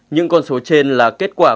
những con số trên là kết quả